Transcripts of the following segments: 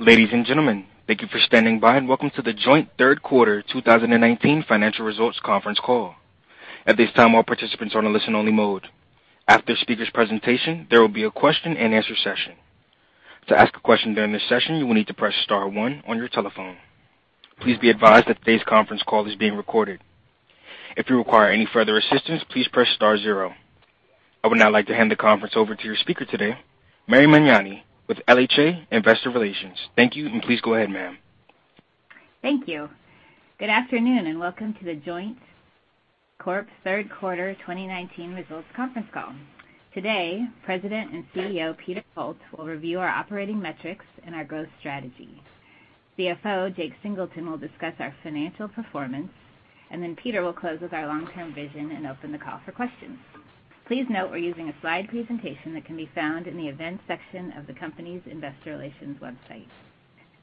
Ladies and gentlemen, thank you for standing by and welcome to The Joint Third Quarter 2019 Financial Results Conference Call. At this time, all participants are on a listen only mode. After the speakers' presentation, there will be a question and answer session. To ask a question during this session, you will need to press star one on your telephone. Please be advised that today's conference call is being recorded. If you require any further assistance, please press star zero. I would now like to hand the conference over to your speaker today, Mary Magnani, with LHA Investor Relations. Thank you, and please go ahead, ma'am. Thank you. Good afternoon and welcome to The Joint Corp. Third Quarter 2019 Results Conference Call. Today, President and CEO, Peter Holt, will review our operating metrics and our growth strategy. CFO, Jake Singleton, will discuss our financial performance, and then Peter will close with our long-term vision and open the call for questions. Please note we're using a slide presentation that can be found in the events section of the company's investor relations website.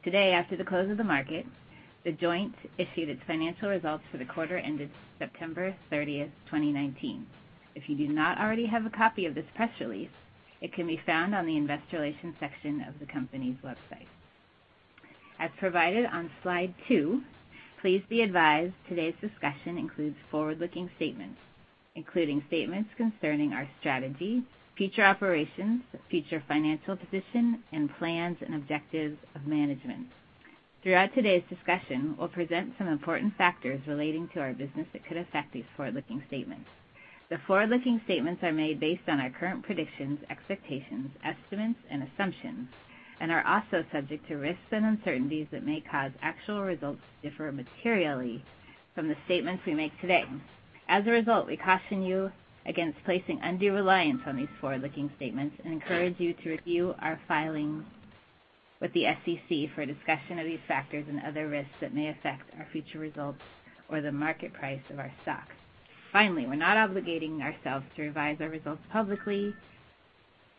Today, after the close of the market, The Joint issued its financial results for the quarter ended September 30, 2019. If you do not already have a copy of this press release, it can be found on the investor relations section of the company's website. As provided on slide two, please be advised today's discussion includes forward-looking statements, including statements concerning our strategy, future operations, future financial position, and plans and objectives of management. Throughout today's discussion, we'll present some important factors relating to our business that could affect these forward-looking statements. The forward-looking statements are made based on our current predictions, expectations, estimates, and assumptions and are also subject to risks and uncertainties that may cause actual results to differ materially from the statements we make today. As a result, we caution you against placing undue reliance on these forward-looking statements and encourage you to review our filing with the SEC for a discussion of these factors and other risks that may affect our future results or the market price of our stock. Finally, we're not obligating ourselves to revise our results publicly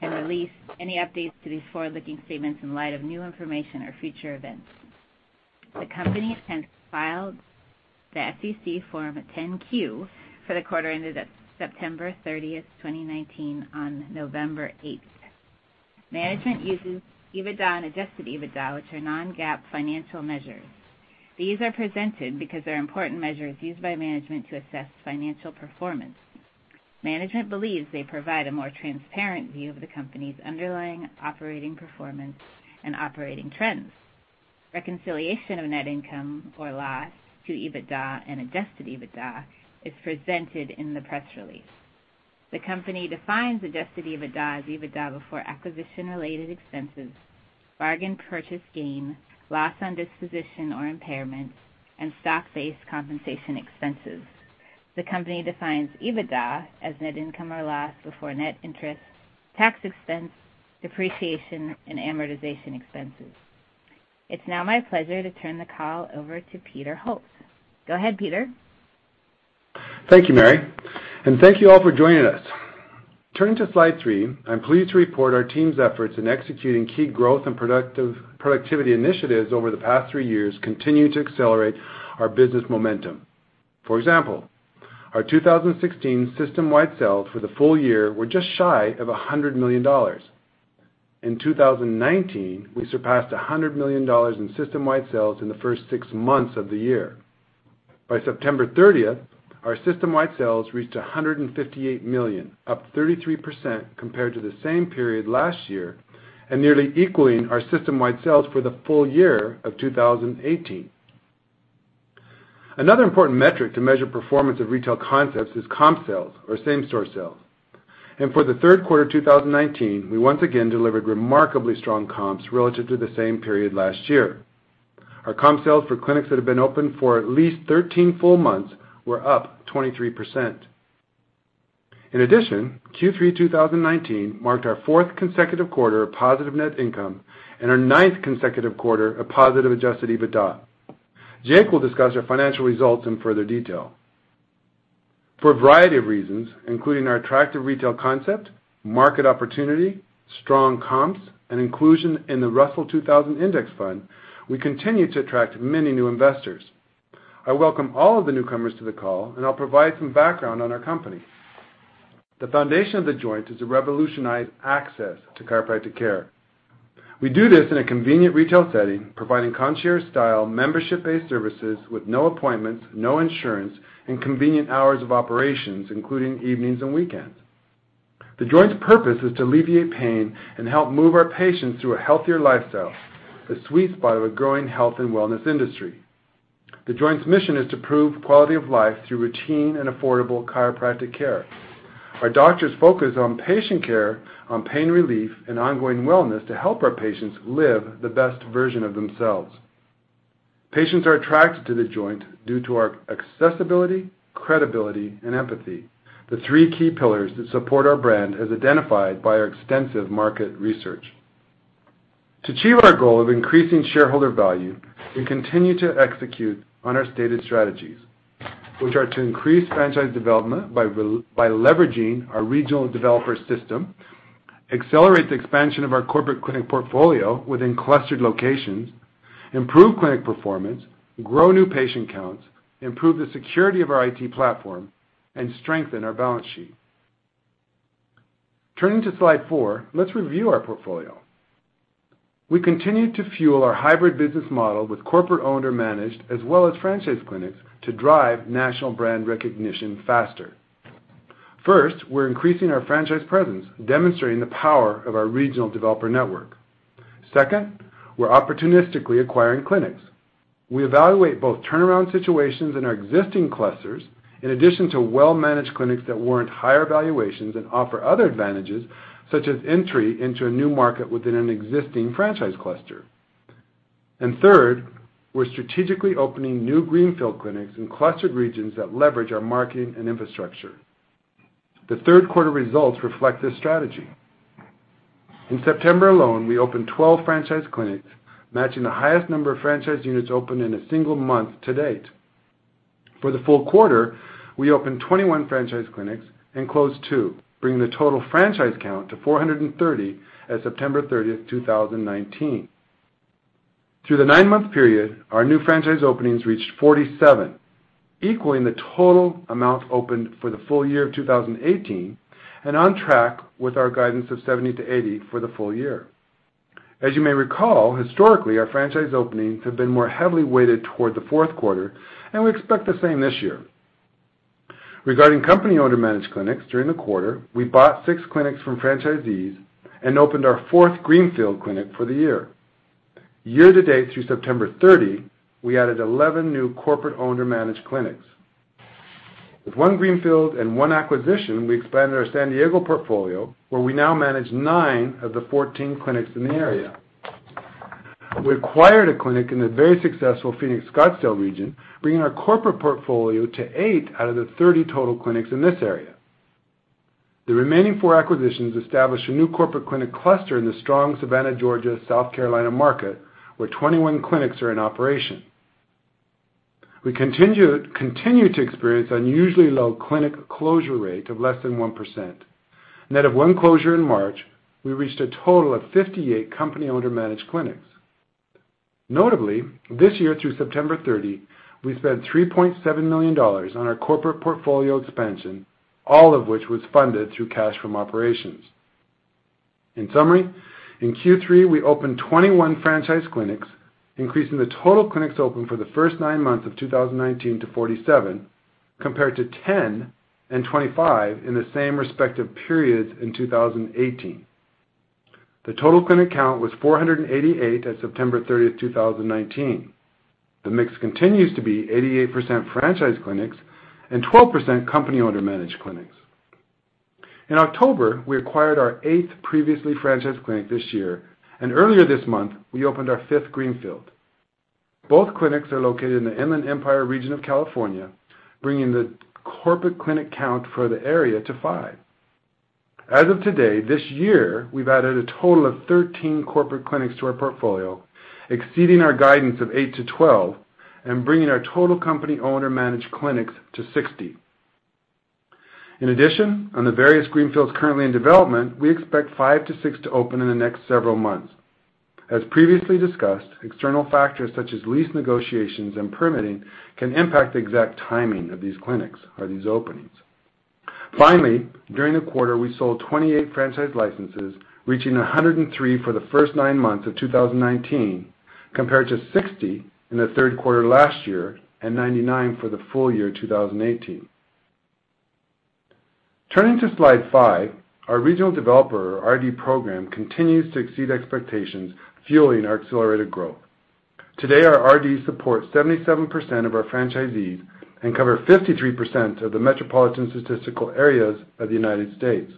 and release any updates to these forward-looking statements in light of new information or future events. The company has since filed the SEC Form 10-Q for the quarter ended at September 30th, 2019 on November 8th. Management uses EBITDA and adjusted EBITDA, which are non-GAAP financial measures. These are presented because they're important measures used by management to assess financial performance. Management believes they provide a more transparent view of the company's underlying operating performance and operating trends. Reconciliation of net income or loss to EBITDA and adjusted EBITDA is presented in the press release. The company defines adjusted EBITDA as EBITDA before acquisition-related expenses, bargain purchase gain, loss on disposition or impairment, and stock-based compensation expenses. The company defines EBITDA as net income or loss before net interest, tax expense, depreciation, and amortization expenses. It's now my pleasure to turn the call over to Peter Holt. Go ahead, Peter. Thank you, Mary. Thank you all for joining us. Turning to slide three, I'm pleased to report our team's efforts in executing key growth and productivity initiatives over the past three years continue to accelerate our business momentum. For example, our 2016 system-wide sales for the full year were just shy of $100 million. In 2019, we surpassed $100 million in system-wide sales in the first six months of the year. By September 30th, our system-wide sales reached $158 million, up 33% compared to the same period last year and nearly equaling our system-wide sales for the full year of 2018. Another important metric to measure performance of retail concepts is comp sales or same-store sales. For the third quarter 2019, we once again delivered remarkably strong comps relative to the same period last year. Our comp sales for clinics that have been open for at least 13 full months were up 23%. In addition, Q3 2019 marked our fourth consecutive quarter of positive net income and our ninth consecutive quarter of positive adjusted EBITDA. Jake will discuss our financial results in further detail. For a variety of reasons, including our attractive retail concept, market opportunity, strong comps, and inclusion in the Russell 2000 Index Fund, we continue to attract many new investors. I welcome all of the newcomers to the call, I'll provide some background on our company. The foundation of The Joint is to revolutionize access to chiropractic care. We do this in a convenient retail setting, providing concierge-style, membership-based services with no appointments, no insurance, and convenient hours of operations, including evenings and weekends. The Joint's purpose is to alleviate pain and help move our patients through a healthier lifestyle, the sweet spot of a growing health and wellness industry. The Joint's mission is to prove quality of life through routine and affordable chiropractic care. Our doctors focus on patient care, on pain relief, and ongoing wellness to help our patients live the best version of themselves. Patients are attracted to The Joint due to our accessibility, credibility, and empathy, the three key pillars that support our brand as identified by our extensive market research. To achieve our goal of increasing shareholder value, we continue to execute on our stated strategies, which are to increase franchise development by leveraging our regional developer system, accelerate the expansion of our corporate clinic portfolio within clustered locations, improve clinic performance, grow new patient counts, improve the security of our IT platform, and strengthen our balance sheet. Turning to slide four, let's review our portfolio. We continue to fuel our hybrid business model with corporate-owned or managed as well as franchise clinics to drive national brand recognition faster. First, we're increasing our franchise presence, demonstrating the power of our regional developer network. Second, we're opportunistically acquiring clinics. We evaluate both turnaround situations in our existing clusters, in addition to well-managed clinics that warrant higher valuations and offer other advantages, such as entry into a new market within an existing franchise cluster. Third, we're strategically opening new greenfield clinics in clustered regions that leverage our marketing and infrastructure. The third quarter results reflect this strategy. In September alone, we opened 12 franchise clinics, matching the highest number of franchise units opened in a single month to date. For the full quarter, we opened 21 franchise clinics and closed two, bringing the total franchise count to 430 as September 30th, 2019. Through the nine-month period, our new franchise openings reached 47, equaling the total amount opened for the full year of 2018, and on track with our guidance of 70-80 for the full year. As you may recall, historically, our franchise openings have been more heavily weighted toward the fourth quarter, and we expect the same this year. Regarding company-owned or managed clinics during the quarter, we bought six clinics from franchisees and opened our fourth greenfield clinic for the year. Year-to-date through September 30, we added 11 new corporate-owned or managed clinics. With one greenfield and one acquisition, we expanded our San Diego portfolio, where we now manage nine of the 14 clinics in the area. We acquired a clinic in the very successful Phoenix/Scottsdale region, bringing our corporate portfolio to eight out of the 30 total clinics in this area. The remaining four acquisitions established a new corporate clinic cluster in the strong Savannah, Georgia, South Carolina market, where 21 clinics are in operation. We continue to experience unusually low clinic closure rate of less than 1%. Net of one closure in March, we reached a total of 58 company-owned or managed clinics. Notably, this year through September 30, we spent $3.7 million on our corporate portfolio expansion, all of which was funded through cash from operations. In summary, in Q3, we opened 21 franchise clinics, increasing the total clinics open for the first nine months of 2019 to 47, compared to 10 and 25 in the same respective periods in 2018. The total clinic count was 488 as of September 30th, 2019. The mix continues to be 88% franchise clinics and 12% company-owned or managed clinics. In October, we acquired our eighth previously franchised clinic this year, and earlier this month, we opened our fifth greenfield. Both clinics are located in the Inland Empire region of California, bringing the corporate clinic count for the area to five. As of today, this year, we've added a total of 13 corporate clinics to our portfolio, exceeding our guidance of eight to 12 and bringing our total company-owned or managed clinics to 60. On the various greenfields currently in development, we expect five to six to open in the next several months. As previously discussed, external factors such as lease negotiations and permitting can impact the exact timing of these clinics or these openings. During the quarter, we sold 28 franchise licenses, reaching 103 for the first nine months of 2019, compared to 60 in the third quarter last year and 99 for the full year 2018. Turning to slide five, our regional developer, or RD program, continues to exceed expectations, fueling our accelerated growth. Today, our RDs support 77% of our franchisees and cover 53% of the metropolitan statistical areas of the U.S.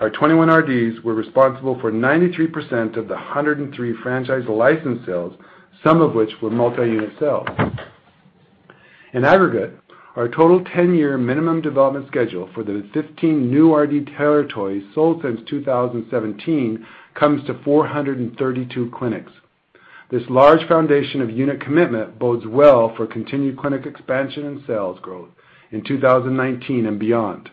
Our 21 RDs were responsible for 93% of the 103 franchise license sales, some of which were multi-unit sales. In aggregate, our total 10-year minimum development schedule for the 15 new RD territories sold since 2017 comes to 432 clinics. This large foundation of unit commitment bodes well for continued clinic expansion and sales growth in 2019 and beyond.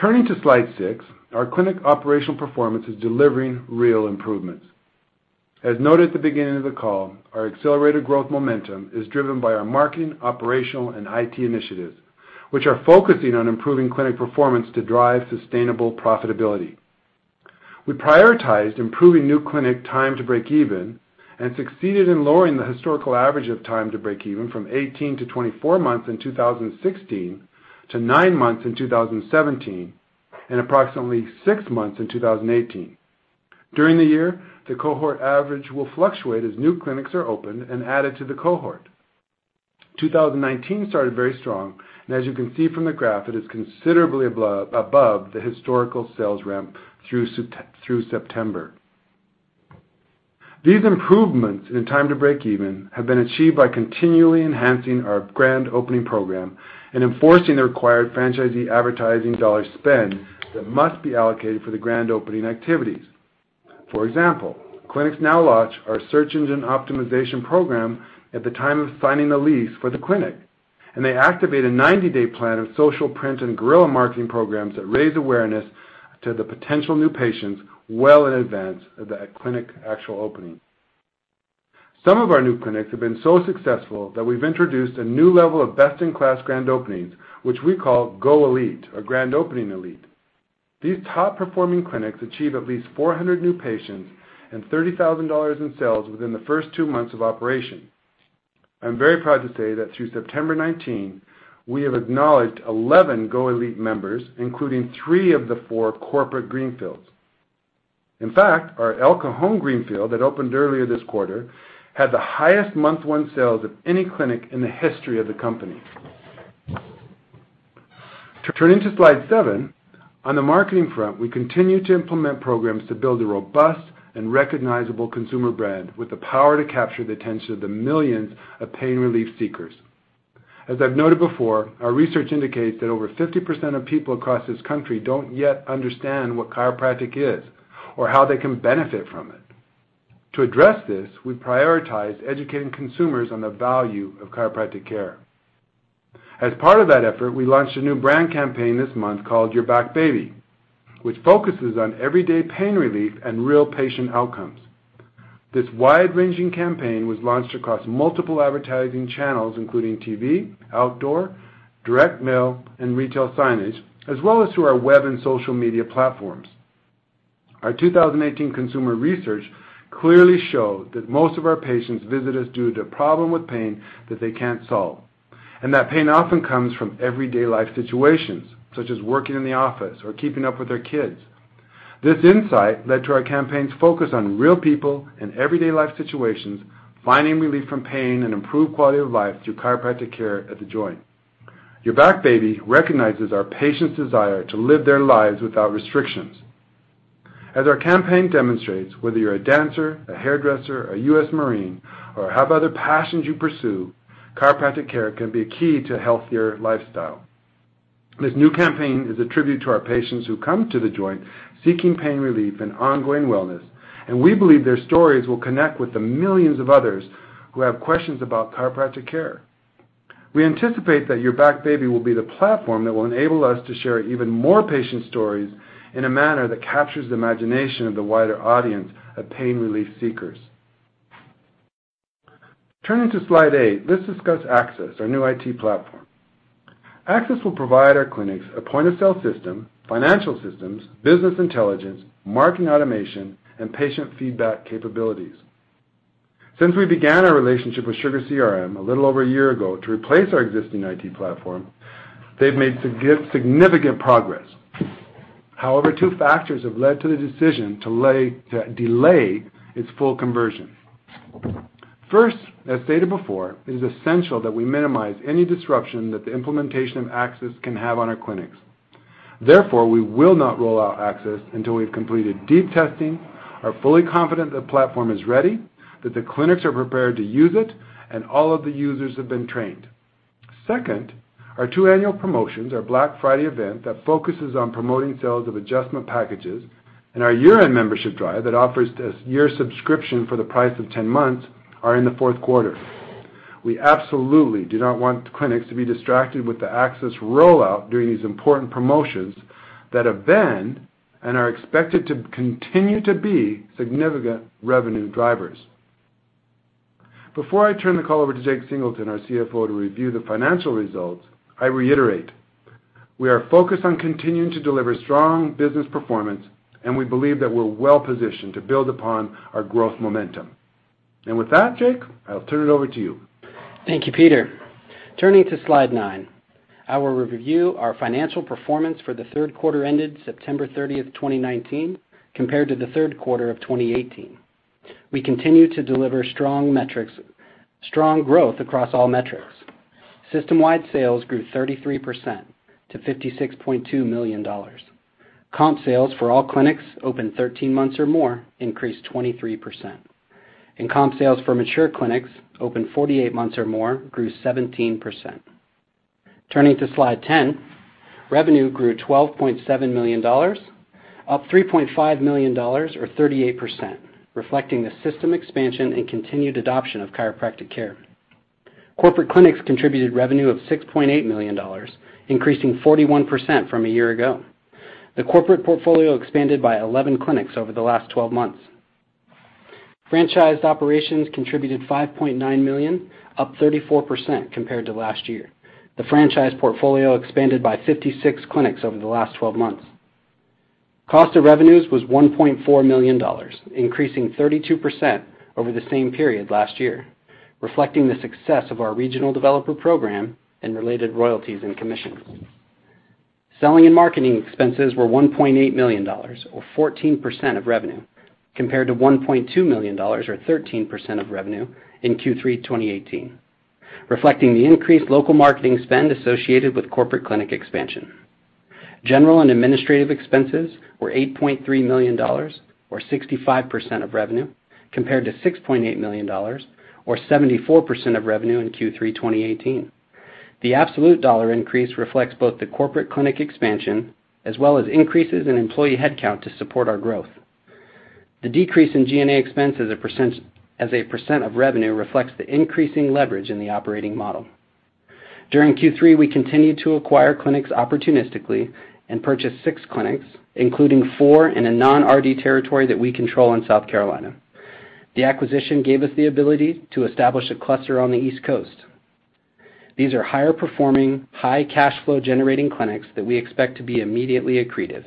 Turning to slide six, our clinic operational performance is delivering real improvements. As noted at the beginning of the call, our accelerated growth momentum is driven by our marketing, operational, and IT initiatives, which are focusing on improving clinic performance to drive sustainable profitability. We prioritized improving new clinic time to break even and succeeded in lowering the historical average of time to break even from 18 to 24 months in 2016, to nine months in 2017, and approximately six months in 2018. During the year, the cohort average will fluctuate as new clinics are opened and added to the cohort. 2019 started very strong. As you can see from the graph, it is considerably above the historical sales ramp through September. These improvements in time to break even have been achieved by continually enhancing our grand opening program and enforcing the required franchisee advertising dollar spend that must be allocated for the grand opening activities. For example, clinics now launch our search engine optimization program at the time of signing the lease for the clinic. They activate a 90-day plan of social print and guerrilla marketing programs that raise awareness to the potential new patients well in advance of the clinic actual opening. Some of our new clinics have been so successful that we've introduced a new level of best-in-class grand openings, which we call GO Elite or Grand Opening Elite. These top-performing clinics achieve at least 400 new patients and $30,000 in sales within the first two months of operation. I'm very proud to say that through September 19, we have acknowledged 11 GO Elite members, including three of the four corporate greenfields. In fact, our El Cajon greenfield that opened earlier this quarter had the highest month one sales of any clinic in the history of the company. Turning to slide seven, on the marketing front, we continue to implement programs to build a robust and recognizable consumer brand with the power to capture the attention of the millions of pain relief seekers. As I've noted before, our research indicates that over 50% of people across this country don't yet understand what chiropractic is or how they can benefit from it. To address this, we prioritize educating consumers on the value of chiropractic care. As part of that effort, we launched a new brand campaign this month called You're Back, Baby., which focuses on everyday pain relief and real patient outcomes. This wide-ranging campaign was launched across multiple advertising channels, including TV, outdoor, direct mail, and retail signage, as well as through our web and social media platforms. Our 2018 consumer research clearly showed that most of our patients visit us due to a problem with pain that they can't solve, and that pain often comes from everyday life situations, such as working in the office or keeping up with their kids. This insight led to our campaign's focus on real people in everyday life situations, finding relief from pain and improved quality of life through chiropractic care at The Joint. You're Back, Baby. recognizes our patients' desire to live their lives without restrictions. As our campaign demonstrates, whether you're a dancer, a hairdresser, a U.S. Marine, or however other passions you pursue, chiropractic care can be key to a healthier lifestyle. This new campaign is a tribute to our patients who come to The Joint seeking pain relief and ongoing wellness. We believe their stories will connect with the millions of others who have questions about chiropractic care. We anticipate that You're Back, Baby. will be the platform that will enable us to share even more patient stories in a manner that captures the imagination of the wider audience of pain relief seekers. Turning to slide eight, let's discuss Axxess, our new IT platform. Axxess will provide our clinics a point-of-sale system, financial systems, business intelligence, marketing automation, and patient feedback capabilities. Since we began our relationship with SugarCRM a little over a year ago to replace our existing IT platform, they've made significant progress. However, two factors have led to the decision to delay its full conversion. First, as stated before, it is essential that we minimize any disruption that the implementation of Axxess can have on our clinics. Therefore, we will not roll out Axxess until we've completed deep testing, are fully confident the platform is ready, that the clinics are prepared to use it, and all of the users have been trained. Second, our two annual promotions, our Black Friday event that focuses on promoting sales of adjustment packages and our year-end membership drive that offers year subscription for the price of 10 months, are in the fourth quarter. We absolutely do not want the clinics to be distracted with the Axxess rollout during these important promotions that have been and are expected to continue to be significant revenue drivers. Before I turn the call over to Jake Singleton, our CFO, to review the financial results, I reiterate, we are focused on continuing to deliver strong business performance, and we believe that we're well-positioned to build upon our growth momentum. With that, Jake, I'll turn it over to you. Thank you, Peter. Turning to slide nine, I will review our financial performance for the third quarter ended September 30th, 2019, compared to the third quarter of 2018. We continue to deliver strong growth across all metrics. System-wide sales grew 33% to $56.2 million. Comp sales for all clinics open 13 months or more increased 23%. Comp sales for mature clinics open 48 months or more grew 17%. Turning to slide 10, revenue grew $12.7 million, up $3.5 million or 38%, reflecting the system expansion and continued adoption of chiropractic care. Corporate clinics contributed revenue of $6.8 million, increasing 41% from a year ago. The corporate portfolio expanded by 11 clinics over the last 12 months. Franchised operations contributed $5.9 million, up 34% compared to last year. The franchise portfolio expanded by 56 clinics over the last 12 months. Cost of revenues was $1.4 million, increasing 32% over the same period last year, reflecting the success of our regional developer program and related royalties and commissions. Selling and marketing expenses were $1.8 million or 14% of revenue, compared to $1.2 million or 13% of revenue in Q3 2018, reflecting the increased local marketing spend associated with corporate clinic expansion. General and administrative expenses were $8.3 million or 65% of revenue, compared to $6.8 million or 74% of revenue in Q3 2018. The absolute dollar increase reflects both the corporate clinic expansion as well as increases in employee headcount to support our growth. The decrease in G&A expense as a % of revenue reflects the increasing leverage in the operating model. During Q3, we continued to acquire clinics opportunistically and purchased six clinics, including four in a non-RD territory that we control in South Carolina. The acquisition gave us the ability to establish a cluster on the East Coast. These are higher performing, high cash flow generating clinics that we expect to be immediately accretive.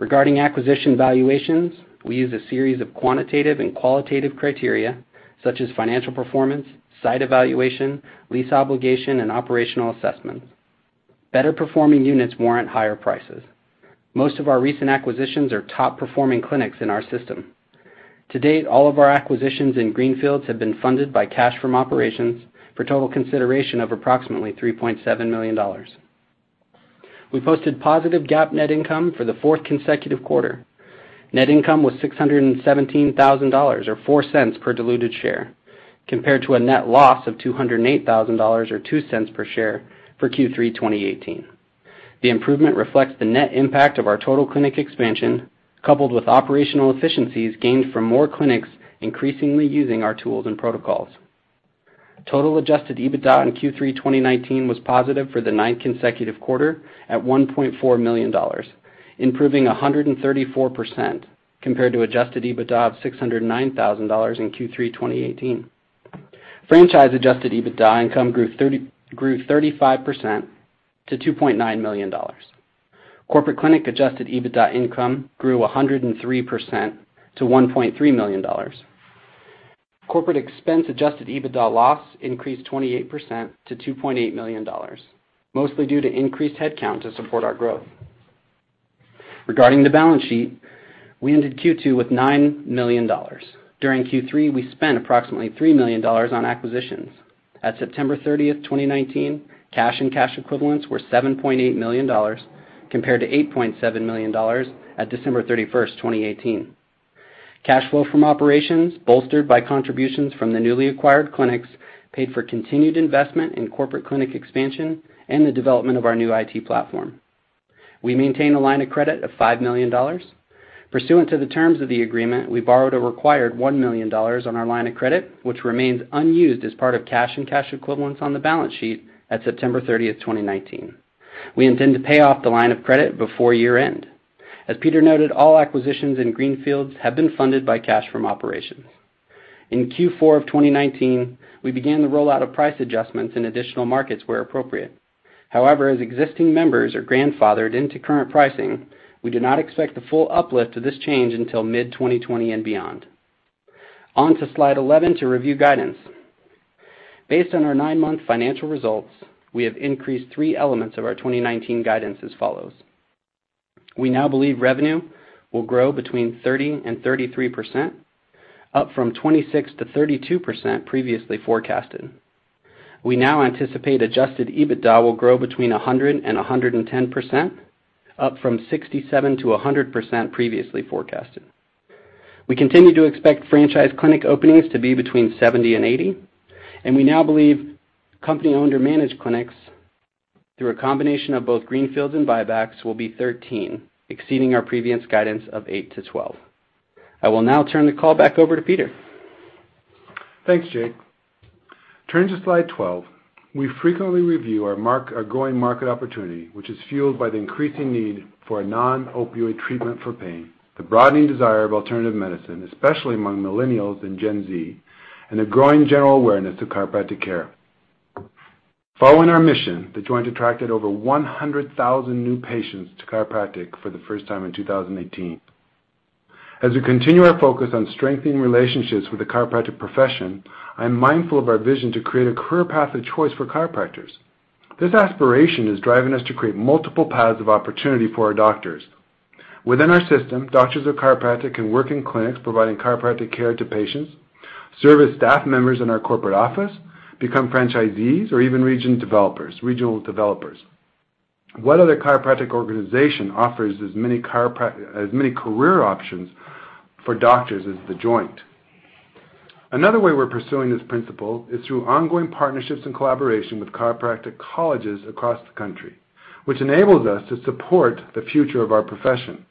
Regarding acquisition valuations, we use a series of quantitative and qualitative criteria such as financial performance, site evaluation, lease obligation, and operational assessments. Better performing units warrant higher prices. Most of our recent acquisitions are top-performing clinics in our system. To date, all of our acquisitions in greenfields have been funded by cash from operations for a total consideration of approximately $3.7 million. We posted positive GAAP net income for the fourth consecutive quarter. Net income was $617,000, or $0.04 per diluted share, compared to a net loss of $208,000, or $0.02 per share for Q3 2018. The improvement reflects the net impact of our total clinic expansion, coupled with operational efficiencies gained from more clinics increasingly using our tools and protocols. Total adjusted EBITDA in Q3 2019 was positive for the ninth consecutive quarter at $1.4 million, improving 134% compared to adjusted EBITDA of $609,000 in Q3 2018. Franchise adjusted EBITDA income grew 35% to $2.9 million. Corporate clinic adjusted EBITDA income grew 103% to $1.3 million. Corporate expense adjusted EBITDA loss increased 28% to $2.8 million, mostly due to increased headcount to support our growth. Regarding the balance sheet, we ended Q2 with $9 million. During Q3, we spent approximately $3 million on acquisitions. At September 30th, 2019, cash and cash equivalents were $7.8 million, compared to $8.7 million at December 31st, 2018. Cash flow from operations, bolstered by contributions from the newly acquired clinics, paid for continued investment in corporate clinic expansion and the development of our new IT platform. We maintain a line of credit of $5 million. Pursuant to the terms of the agreement, we borrowed a required $1 million on our line of credit, which remains unused as part of cash and cash equivalents on the balance sheet at September 30th, 2019. We intend to pay off the line of credit before year-end. As Peter noted, all acquisitions in greenfields have been funded by cash from operations. In Q4 of 2019, we began the rollout of price adjustments in additional markets where appropriate. As existing members are grandfathered into current pricing, we do not expect the full uplift of this change until mid-2020 and beyond. On to slide 11 to review guidance. Based on our nine-month financial results, we have increased three elements of our 2019 guidance as follows. We now believe revenue will grow between 30% and 33%, up from 26%-32% previously forecasted. We now anticipate adjusted EBITDA will grow between 100% and 110%, up from 67%-100% previously forecasted. We continue to expect franchise clinic openings to be between 70 and 80, and we now believe company-owned or managed clinics, through a combination of both greenfields and buybacks, will be 13, exceeding our previous guidance of 8 to 12. I will now turn the call back over to Peter. Thanks, Jake. Turning to slide 12. We frequently review our growing market opportunity, which is fueled by the increasing need for a non-opioid treatment for pain, the broadening desire of alternative medicine, especially among millennials and Gen Z, and a growing general awareness of chiropractic care. Following our mission, The Joint attracted over 100,000 new patients to chiropractic for the first time in 2018. As we continue our focus on strengthening relationships with the chiropractic profession, I am mindful of our vision to create a career path of choice for chiropractors. This aspiration is driving us to create multiple paths of opportunity for our doctors. Within our system, doctors of chiropractic can work in clinics providing chiropractic care to patients, serve as staff members in our corporate office, become franchisees, or even regional developers. What other chiropractic organization offers as many career options for doctors as The Joint? Another way we're pursuing this principle is through ongoing partnerships and collaboration with chiropractic colleges across the country, which enables us to support the future of our profession.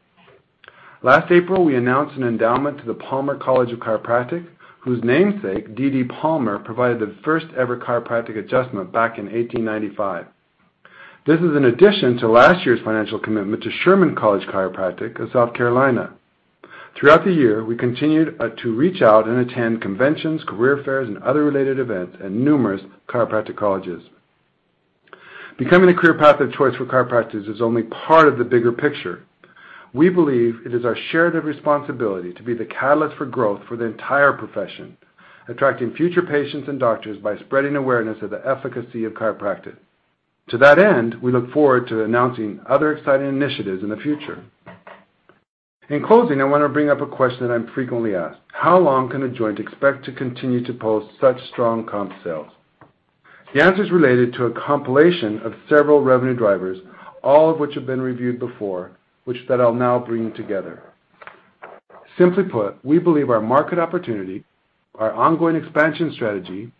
Last April, we announced an endowment to the Palmer College of Chiropractic, whose namesake, D.D. Palmer, provided the first-ever chiropractic adjustment back in 1895. This is in addition to last year's financial commitment to Sherman College of Chiropractic of South Carolina. Throughout the year, we continued to reach out and attend conventions, career fairs, and other related events at numerous chiropractic colleges. Becoming a career path of choice for chiropractors is only part of the bigger picture. We believe it is our shared responsibility to be the catalyst for growth for the entire profession, attracting future patients and doctors by spreading awareness of the efficacy of chiropractic. To that end, we look forward to announcing other exciting initiatives in the future. In closing, I want to bring up a question that I'm frequently asked. How long can The Joint expect to continue to post such strong comp sales? The answer is related to a compilation of several revenue drivers, all of which have been reviewed before, which I'll now bring together. Simply put, we believe our market opportunity, our ongoing expansion strategy,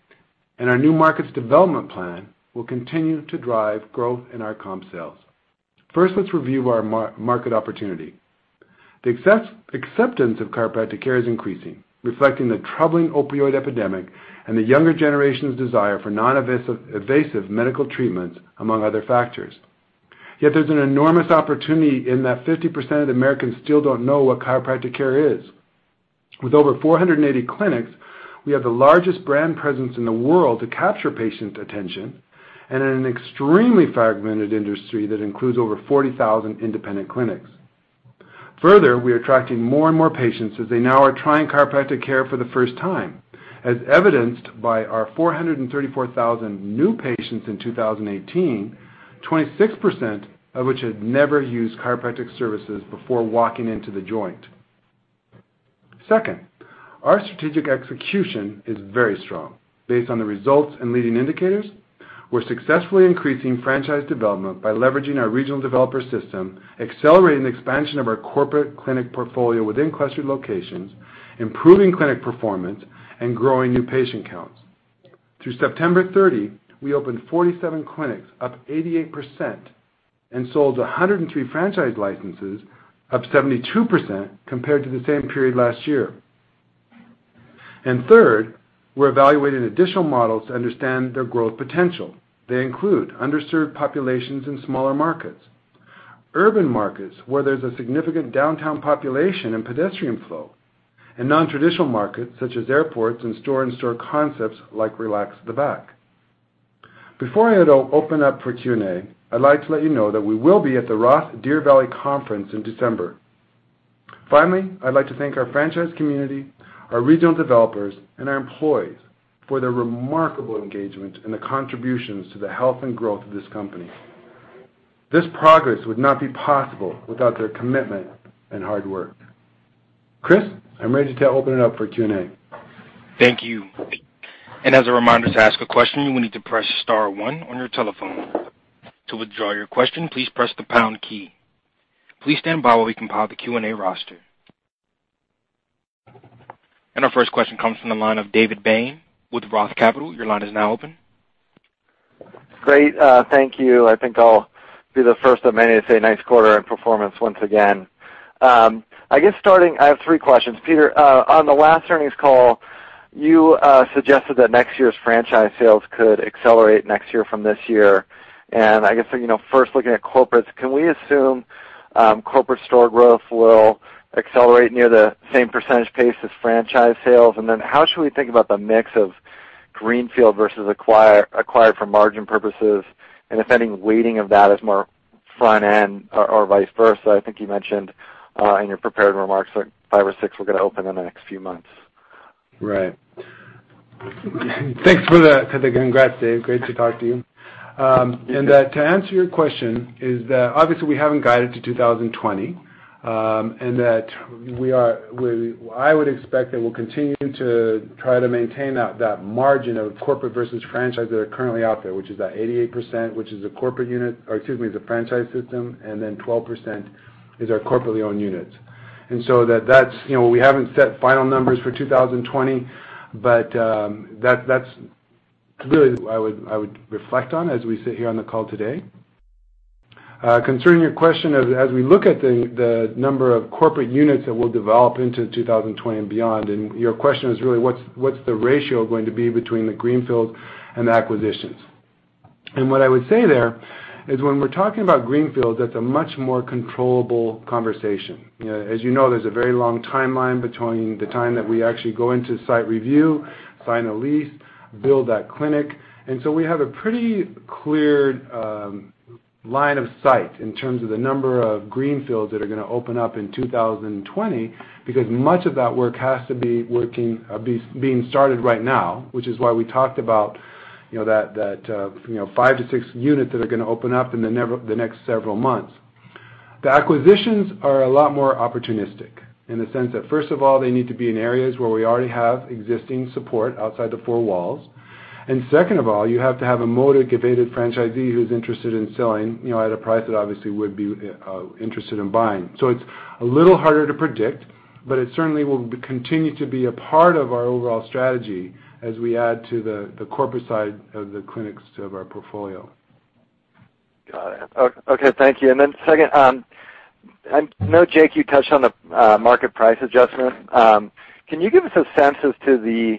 and our new markets development plan will continue to drive growth in our comp sales. First, let's review our market opportunity. The acceptance of chiropractic care is increasing, reflecting the troubling opioid epidemic and the younger generation's desire for non-invasive medical treatments, among other factors. There's an enormous opportunity in that 50% of Americans still don't know what chiropractic care is. With over 480 clinics, we have the largest brand presence in the world to capture patient attention in an extremely fragmented industry that includes over 40,000 independent clinics. We are attracting more and more patients as they now are trying chiropractic care for the first time, as evidenced by our 434,000 new patients in 2018, 26% of which had never used chiropractic services before walking into The Joint. Our strategic execution is very strong. Based on the results and leading indicators, we're successfully increasing franchise development by leveraging our regional developer system, accelerating the expansion of our corporate clinic portfolio within cluster locations, improving clinic performance, and growing new patient counts. Through September 30, we opened 47 clinics, up 88%, and sold 103 franchise licenses, up 72% compared to the same period last year. We're evaluating additional models to understand their growth potential. They include underserved populations in smaller markets, urban markets, where there's a significant downtown population and pedestrian flow, and non-traditional markets such as airports and store-in-store concepts like Relax The Back. Before I open up for Q&A, I'd like to let you know that we will be at the ROTH Deer Valley Conference in December. Finally, I'd like to thank our franchise community, our regional developers, and our employees for their remarkable engagement and the contributions to the health and growth of this company. This progress would not be possible without their commitment and hard work. Chris, I'm ready to open it up for Q&A. Thank you. As a reminder, to ask a question, you will need to press star one on your telephone. To withdraw your question, please press the pound key. Please stand by while we compile the Q&A roster. Our first question comes from the line of David Bain with Roth Capital. Your line is now open. Great. Thank you. I think I'll be the first of many to say nice quarter and performance once again. I have three questions. Peter, on the last earnings call, you suggested that next year's franchise sales could accelerate next year from this year. First looking at corporates, can we assume corporate store growth will accelerate near the same percentage pace as franchise sales? Then how should we think about the mix of greenfield versus acquired for margin purposes and if any weighting of that is more front end or vice versa? I think you mentioned in your prepared remarks, like five or six were going to open in the next few months. Right. Thanks for the congrats, Dave. Great to talk to you. To answer your question is that obviously we haven't guided to 2020, and that I would expect that we'll continue to try to maintain that margin of corporate versus franchise that are currently out there, which is that 88%, which is a corporate unit, or excuse me, the franchise system, and then 12% is our corporately owned units. We haven't set final numbers for 2020, but that's really what I would reflect on as we sit here on the call today. Concerning your question, as we look at the number of corporate units that we'll develop into 2020 and beyond, and your question is really what's the ratio going to be between the greenfield and the acquisitions. What I would say there is when we're talking about greenfield, that's a much more controllable conversation. As you know, there's a very long timeline between the time that we actually go into site review, sign a lease, build that clinic. We have a pretty clear line of sight in terms of the number of greenfields that are going to open up in 2020, because much of that work has to be being started right now, which is why we talked about that 5 to 6 units that are going to open up in the next several months. The acquisitions are a lot more opportunistic in the sense that, first of all, they need to be in areas where we already have existing support outside the four walls. Second of all, you have to have a motivated franchisee who's interested in selling at a price that obviously we'd be interested in buying. It's a little harder to predict, but it certainly will continue to be a part of our overall strategy as we add to the corporate side of the clinics of our portfolio. Got it. Okay. Thank you. Second, I know Jake, you touched on the market price adjustment. Can you give us a sense as to the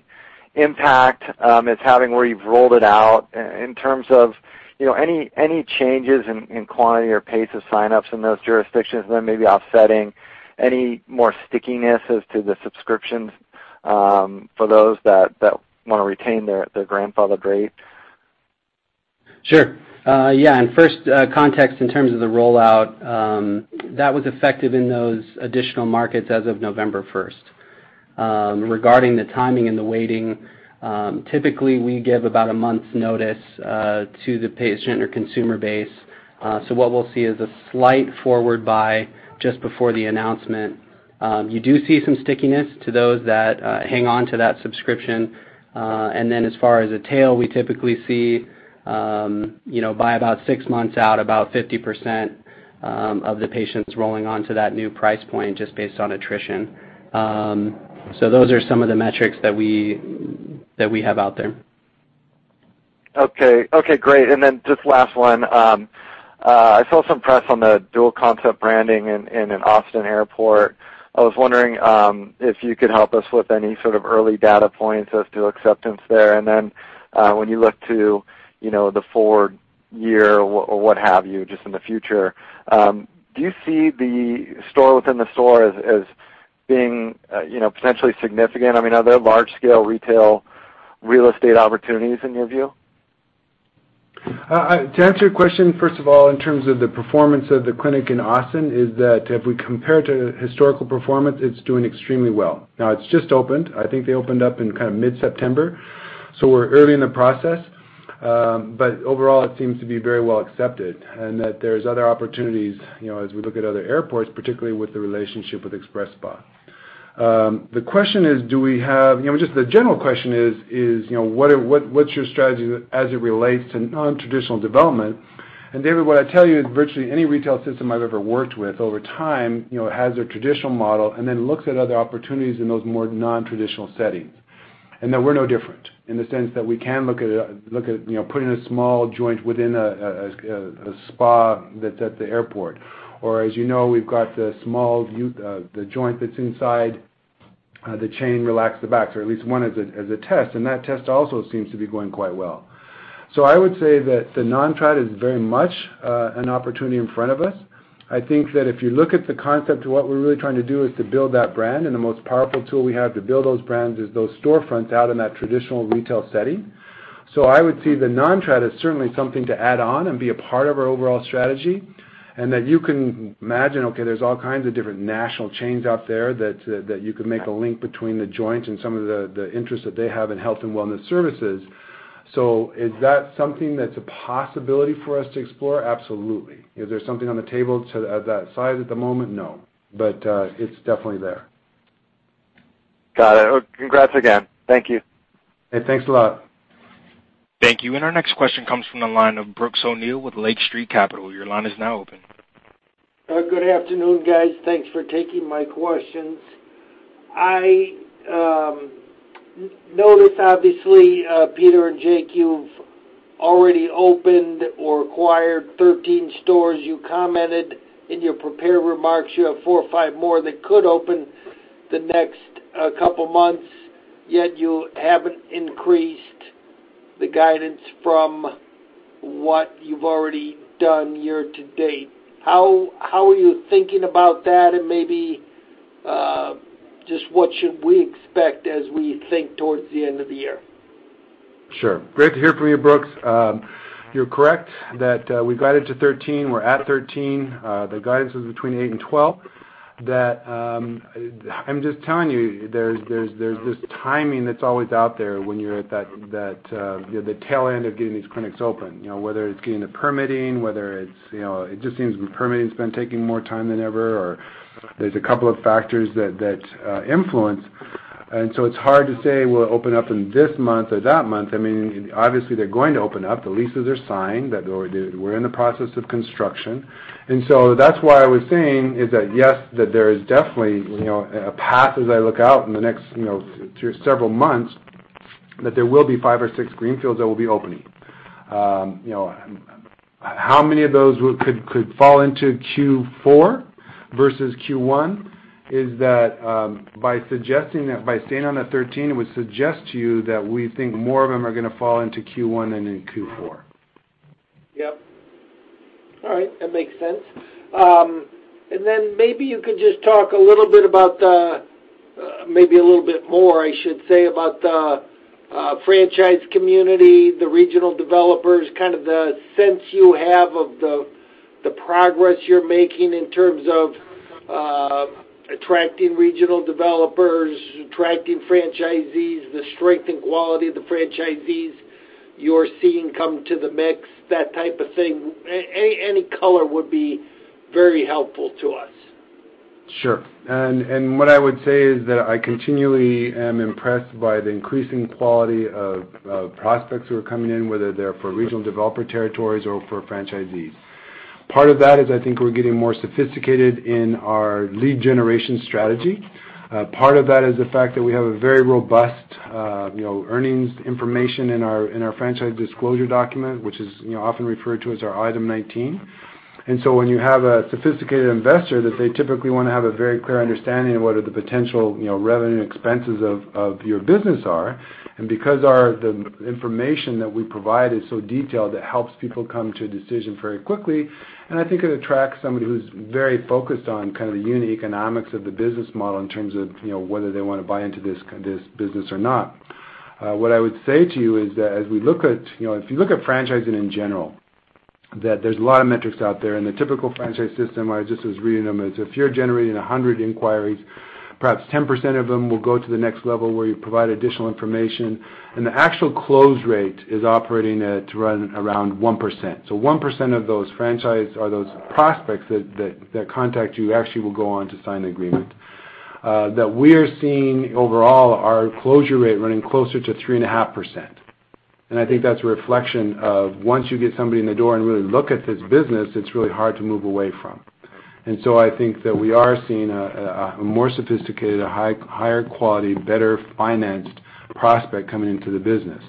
impact it's having where you've rolled it out in terms of any changes in quantity or pace of sign-ups in those jurisdictions, and then maybe offsetting any more stickiness as to the subscriptions for those that want to retain their grandfathered rate? Sure. Yeah. First, context in terms of the rollout, that was effective in those additional markets as of November 1st. Regarding the timing and the waiting, typically we give about a month's notice to the patient or consumer base. What we'll see is a slight forward buy just before the announcement. You do see some stickiness to those that hang on to that subscription. As far as the tail, we typically see by about six months out, about 50% of the patients rolling on to that new price point just based on attrition. Those are some of the metrics that we have out there. Okay, great. Just last one, I saw some press on the dual concept branding in an Austin airport. I was wondering if you could help us with any sort of early data points as to acceptance there. When you look to the forward year or what have you, just in the future, do you see the store within the store as being potentially significant? I mean, are there large-scale retail real estate opportunities in your view? To answer your question, first of all, in terms of the performance of the clinic in Austin, is that if we compare it to historical performance, it's doing extremely well. It's just opened. I think they opened up in mid-September. We're early in the process. Overall, it seems to be very well accepted, and that there's other opportunities as we look at other airports, particularly with the relationship with XpresSpa. The general question is, what's your strategy as it relates to non-traditional development? David, what I tell you is virtually any retail system I've ever worked with over time has a traditional model and then looks at other opportunities in those more non-traditional settings. That we're no different, in the sense that we can look at putting a small Joint within a spa that's at the airport. As you know, we've got the small Joint that's inside the chain, Relax the Back, or at least one as a test. That test also seems to be going quite well. I would say that the non-trad is very much an opportunity in front of us. I think that if you look at the concept, what we're really trying to do is to build that brand, and the most powerful tool we have to build those brands is those storefronts out in that traditional retail setting. I would see the non-trad as certainly something to add on and be a part of our overall strategy. That you can imagine, okay, there's all kinds of different national chains out there that you could make a link between The Joint and some of the interests that they have in health and wellness services. Is that something that's a possibility for us to explore? Absolutely. Is there something on the table of that size at the moment? No, but it's definitely there. Got it. Congrats again. Thank you. Hey, thanks a lot. Thank you. Our next question comes from the line of Brooks O'Neil with Lake Street Capital. Your line is now open. Good afternoon, guys. Thanks for taking my questions. I noticed, obviously, Peter and Jake, you've already opened or acquired 13 stores. You commented in your prepared remarks you have four or five more that could open the next couple months, yet you haven't increased the guidance from what you've already done year to date. How are you thinking about that, and maybe just what should we expect as we think towards the end of the year? Sure. Great to hear from you, Brooks. You're correct that we guided to 13. We're at 13. The guidance was between eight and 12. I'm just telling you, there's this timing that's always out there when you're at the tail end of getting these clinics open, whether it's getting the permitting, whether it's, it just seems permitting's been taking more time than ever or there's a couple of factors that influence. It's hard to say we'll open up in this month or that month. Obviously, they're going to open up. The leases are signed. We're in the process of construction. That's why I was saying is that, yes, that there is definitely a path as I look out in the next several months, that there will be five or six greenfields that will be opening. How many of those could fall into Q4 versus Q1 is that by staying on that 13, it would suggest to you that we think more of them are going to fall into Q1 than in Q4. Yep. All right. That makes sense. Then maybe you could just talk a little bit about the, maybe a little bit more, I should say, about the franchise community, the regional developers, kind of the sense you have of the progress you're making in terms of attracting regional developers, attracting franchisees, the strength and quality of the franchisees you're seeing come to the mix, that type of thing. Any color would be very helpful to us. Sure. What I would say is that I continually am impressed by the increasing quality of prospects who are coming in, whether they're for Regional Developer territories or for franchisees. Part of that is I think we're getting more sophisticated in our lead generation strategy. Part of that is the fact that we have a very robust earnings information in our franchise disclosure document, which is often referred to as our Item 19. When you have a sophisticated investor that they typically want to have a very clear understanding of what are the potential revenue and expenses of your business are. Because the information that we provide is so detailed, it helps people come to a decision very quickly. I think it attracts somebody who's very focused on kind of the unit economics of the business model in terms of whether they want to buy into this business or not. What I would say to you is that if you look at franchising in general, that there's a lot of metrics out there. In the typical franchise system, I was just reading them, it's if you're generating 100 inquiries, perhaps 10% of them will go to the next level where you provide additional information. The actual close rate is operating at around 1%. 1% of those franchise or those prospects that contact you actually will go on to sign an agreement. That we're seeing overall our closure rate running closer to 3.5%. I think that's a reflection of once you get somebody in the door and really look at this business, it's really hard to move away from. I think that we are seeing a more sophisticated, higher quality, better financed prospect coming into the business.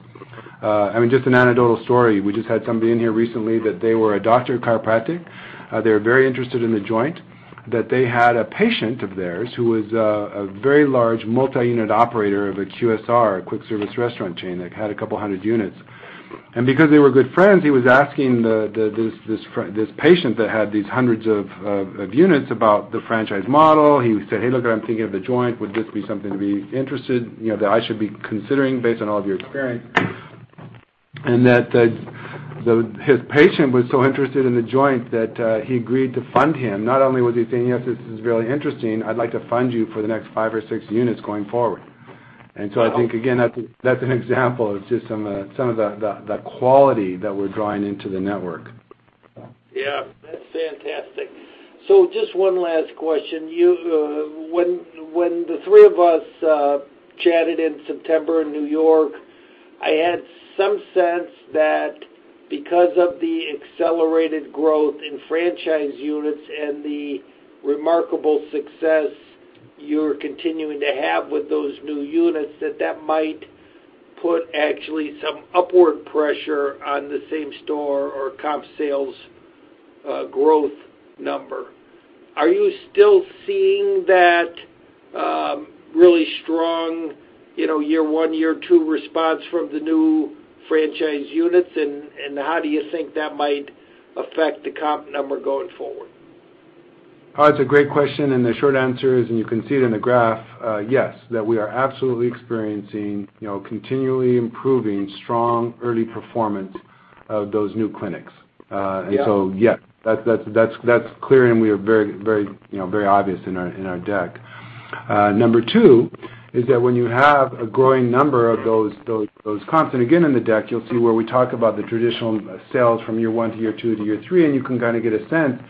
Just an anecdotal story. We just had somebody in here recently that they were a doctor of chiropractic. They're very interested in The Joint, that they had a patient of theirs who was a very large multi-unit operator of a QSR, a quick service restaurant chain, that had a couple hundred units. Because they were good friends, he was asking this patient that had these hundreds of units about the franchise model. He said, "Hey, look, I'm thinking of The Joint. Would this be something to be interested, that I should be considering based on all of your experience? That his patient was so interested in The Joint that he agreed to fund him. Not only was he saying, "Yes, this is really interesting. I'd like to fund you for the next five or six units going forward." I think, again, that's an example of just some of the quality that we're drawing into the network. Yeah. That's fantastic. Just one last question. When the three of us chatted in September in New York, I had some sense that because of the accelerated growth in franchise units and the remarkable success you're continuing to have with those new units, that that might put actually some upward pressure on the same store or comp sales growth number. Are you still seeing that really strong year one, year two response from the new franchise units, and how do you think that might affect the comp number going forward? That's a great question, and the short answer is, and you can see it in the graph, yes, that we are absolutely experiencing continually improving strong early performance of those new clinics. Yeah. Yes. That's clear, and we are very obvious in our deck. Number two is that when you have a growing number of those comps, and again, in the deck, you'll see where we talk about the traditional sales from year one to year two to year three, and you can kind of get a sense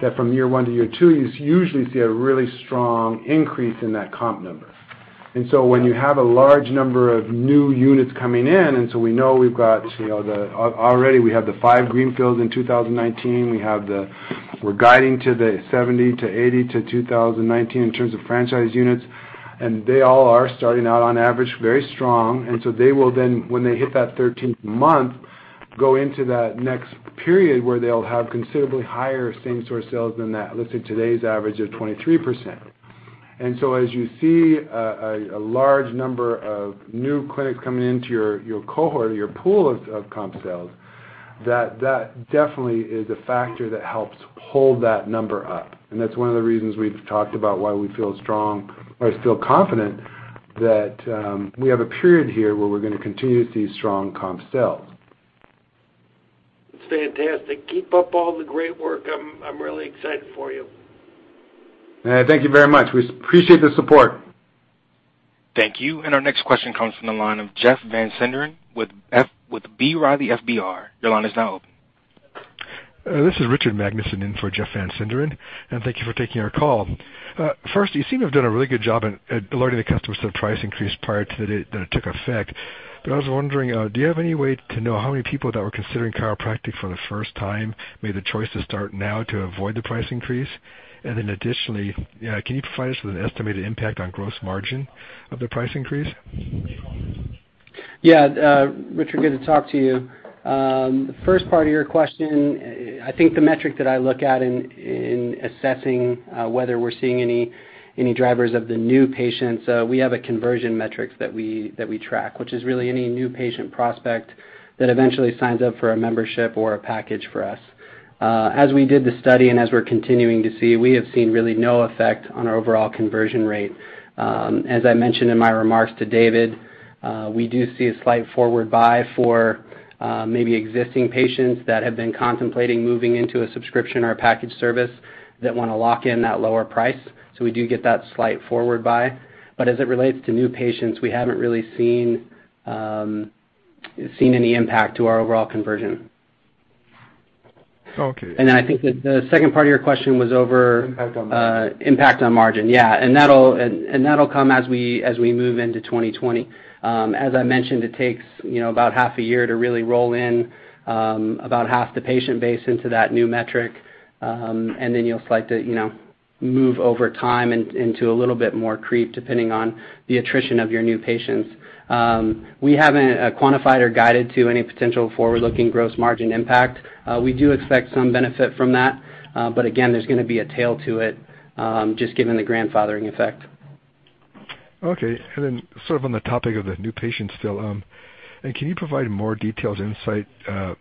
that from year one to year two, you usually see a really strong increase in that comp number. When you have a large number of new units coming in, we know we've got the five greenfields in 2019. We're guiding to the 70 to 80 to 2019 in terms of franchise units, and they all are starting out on average, very strong. They will then, when they hit that 13th month, go into that next period where they'll have considerably higher same-store sales than that listed today's average of 23%. As you see a large number of new clinics coming into your cohort or your pool of comp sales, that definitely is a factor that helps hold that number up. That's one of the reasons we've talked about why we feel strong or feel confident that we have a period here where we're going to continue to see strong comp sales. It's fantastic. Keep up all the great work. I'm really excited for you. Thank you very much. We appreciate the support. Thank you. Our next question comes from the line of Jeff Van Sinderen with B. Riley FBR. Your line is now open. This is Richard Magnusen in for Jeff Van Sinderen. Thank you for taking our call. First, you seem to have done a really good job at alerting the customers to the price increase prior to the day that it took effect. I was wondering, do you have any way to know how many people that were considering chiropractic for the first time made the choice to start now to avoid the price increase? Additionally, can you provide us with an estimated impact on gross margin of the price increase? Yeah. Richard, good to talk to you. The first part of your question, I think the metric that I look at in assessing whether we're seeing any drivers of the new patients, we have a conversion metric that we track, which is really any new patient prospect that eventually signs up for a membership or a package for us. As we did the study and as we're continuing to see, we have seen really no effect on our overall conversion rate. As I mentioned in my remarks to David, we do see a slight forward buy for maybe existing patients that have been contemplating moving into a subscription or a package service that want to lock in that lower price. We do get that slight forward buy. As it relates to new patients, we haven't really seen any impact to our overall conversion. Okay. I think that the second part of your question was over- Impact on margin. impact on margin. Yeah. That'll come as we move into 2020. As I mentioned, it takes about half a year to really roll in about half the patient base into that new metric. You'll slight to move over time into a little bit more creep depending on the attrition of your new patients. We haven't quantified or guided to any potential forward-looking gross margin impact. We do expect some benefit from that. Again, there's going to be a tail to it, just given the grandfathering effect. Okay. Then sort of on the topic of the new patients still, can you provide more detailed insight on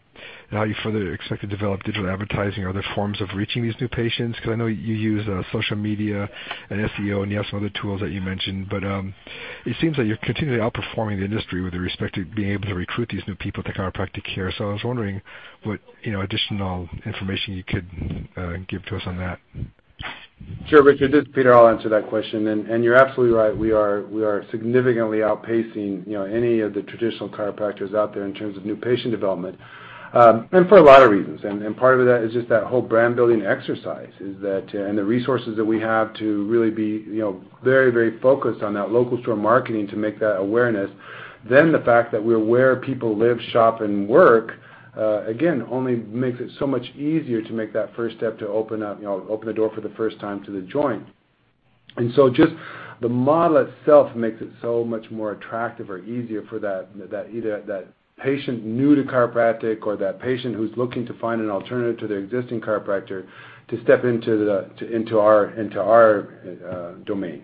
how you further expect to develop digital advertising or other forms of reaching these new patients? Because I know you use social media and SEO, and you have some other tools that you mentioned, but it seems that you're continually outperforming the industry with respect to being able to recruit these new people to chiropractic care. I was wondering what additional information you could give to us on that. Sure, Richard. This is Peter. I'll answer that question. You're absolutely right. We are significantly outpacing any of the traditional chiropractors out there in terms of new patient development. For a lot of reasons. Part of that is just that whole brand building exercise, and the resources that we have to really be very focused on that local store marketing to make that awareness. The fact that we're where people live, shop, and work, again, only makes it so much easier to make that first step to open the door for the first time to The Joint. Just the model itself makes it so much more attractive or easier for that patient new to chiropractic or that patient who's looking to find an alternative to their existing chiropractor to step into our domain.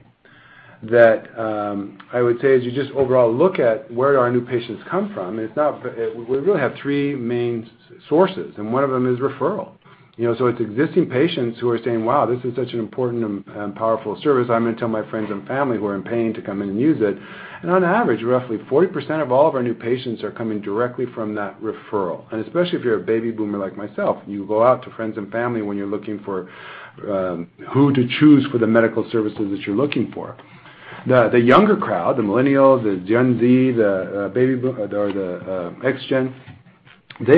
I would say, as you just overall look at where our new patients come from, we really have three main sources, and one of them is referral. It's existing patients who are saying, "Wow, this is such an important and powerful service. I'm going to tell my friends and family who are in pain to come in and use it." On average, roughly 40% of all of our new patients are coming directly from that referral. Especially if you're a baby boomer like myself, you go out to friends and family when you're looking for who to choose for the medical services that you're looking for. The younger crowd, the millennials, the Gen Z, the Gen X,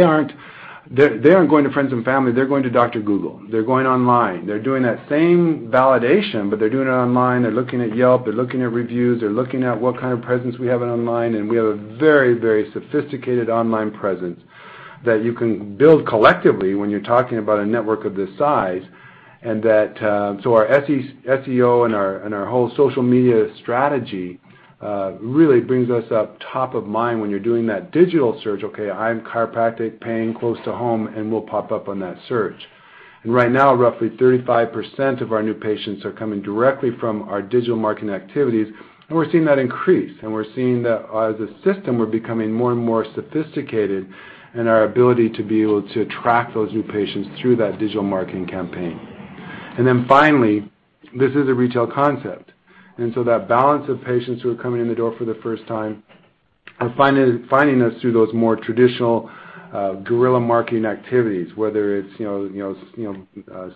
they aren't going to friends and family. They're going to Dr. Google. They're going online. They're doing that same validation, but they're doing it online. They're looking at Yelp. They're looking at reviews. They're looking at what kind of presence we have online, and we have a very, very sophisticated online presence that you can build collectively when you're talking about a network of this size. Our SEO and our whole social media strategy really brings us up top of mind when you're doing that digital search, okay, "I'm chiropractic, pain, close to home," and we'll pop up on that search. Right now, roughly 35% of our new patients are coming directly from our digital marketing activities, and we're seeing that increase, and we're seeing that as a system, we're becoming more and more sophisticated in our ability to be able to attract those new patients through that digital marketing campaign. Then finally, this is a retail concept. That balance of patients who are coming in the door for the first time are finding us through those more traditional guerrilla marketing activities, whether it's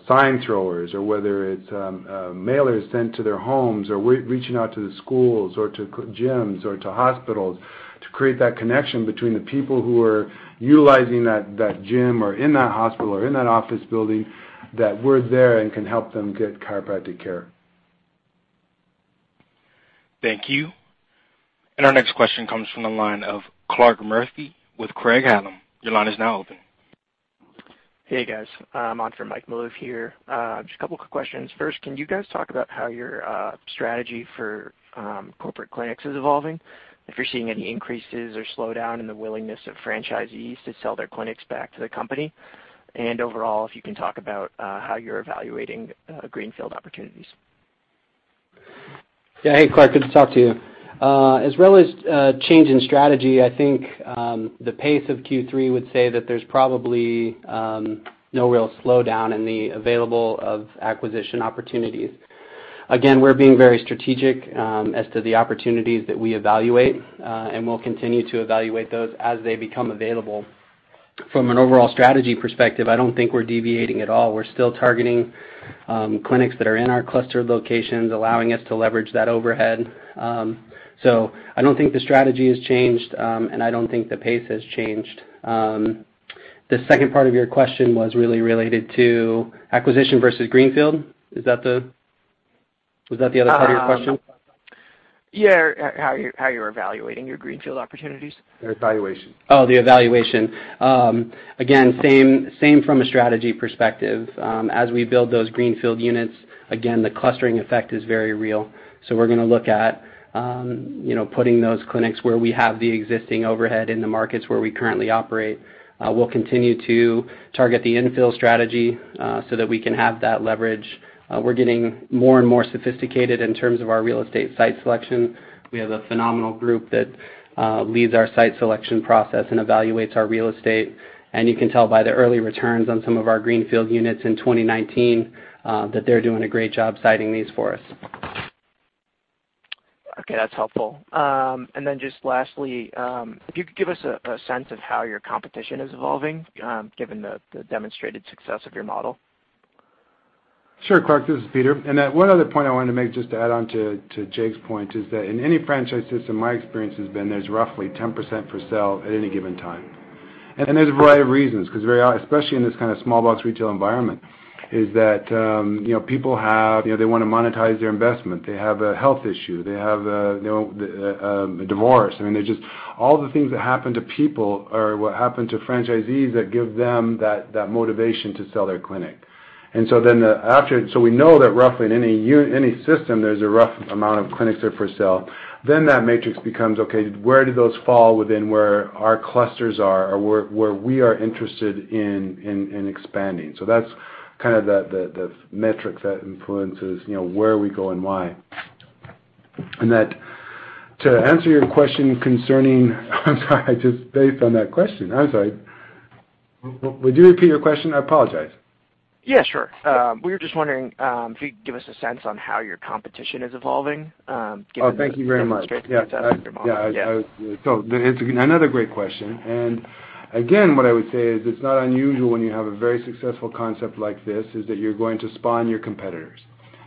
sign throwers or whether it's mailers sent to their homes or reaching out to the schools or to gyms or to hospitals to create that connection between the people who are utilizing that gym or in that hospital or in that office building, that we're there and can help them get chiropractic care. Thank you. Our next question comes from the line of Clark Murphy with Craig-Hallum. Your line is now open. Hey, guys. On for Mike Malouf here. Just a couple of quick questions. First, can you guys talk about how your strategy for corporate clinics is evolving? If you're seeing any increases or slowdown in the willingness of franchisees to sell their clinics back to the company? Overall, if you can talk about how you're evaluating greenfield opportunities. Yeah. Hey, Clark. Good to talk to you. As well as change in strategy, I think, the pace of Q3 would say that there's probably no real slowdown in the available of acquisition opportunities. Again, we're being very strategic as to the opportunities that we evaluate, and we'll continue to evaluate those as they become available. From an overall strategy perspective, I don't think we're deviating at all. We're still targeting clinics that are in our cluster locations, allowing us to leverage that overhead. I don't think the strategy has changed, and I don't think the pace has changed. The second part of your question was really related to acquisition versus greenfield. Was that the other part of your question? Yeah. How you're evaluating your greenfield opportunities? The evaluation. The evaluation. Again, same from a strategy perspective. As we build those greenfield units, again, the clustering effect is very real. We're going to look at putting those clinics where we have the existing overhead in the markets where we currently operate. We'll continue to target the infill strategy, so that we can have that leverage. We're getting more and more sophisticated in terms of our real estate site selection. We have a phenomenal group that leads our site selection process and evaluates our real estate, and you can tell by the early returns on some of our greenfield units in 2019, that they're doing a great job siting these for us. Okay, that's helpful. Just lastly, if you could give us a sense of how your competition is evolving, given the demonstrated success of your model. Sure, Clark. This is Peter. That one other point I wanted to make, just to add on to Jake's point, is that in any franchise system, my experience has been there's roughly 10% for sale at any given time. There's a variety of reasons, because very often, especially in this kind of small box retail environment, is that people want to monetize their investment. They have a health issue. They have a divorce. I mean, all the things that happen to people are what happen to franchisees that give them that motivation to sell their clinic. We know that roughly in any system, there's a rough amount of clinics are for sale. That matrix becomes, okay, where do those fall within where our clusters are, or where we are interested in expanding? That's kind of the metrics that influences where we go and why. I'm sorry. Would you repeat your question? I apologize. Yeah, sure. We were just wondering if you could give us a sense on how your competition is evolving, given the demonstrated success of your model. Oh, thank you very much. Yeah. Yeah. It's another great question. Again, what I would say is it's not unusual when you have a very successful concept like this, is that you're going to spawn your competitors,